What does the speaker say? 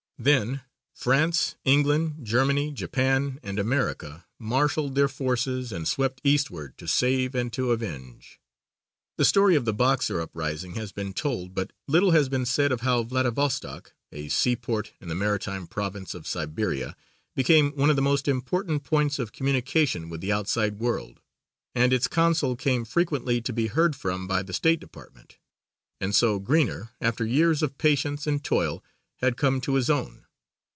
Then France, England, Germany, Japan and America marshalled their forces and swept eastward to save and to avenge. The story of the Boxer uprising has been told, but little has been said of how Vladivostok, "A sea port in the maritime Province of Siberia," became one of the most important points of communication with the outside world, and its Consul came frequently to be heard from by the State Department. And so Greener after years of patience and toil had come to his own.